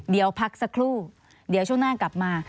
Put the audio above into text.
เดี๋ยวพักสักครู่เดี๋ยวช่วงหน้ากลับมา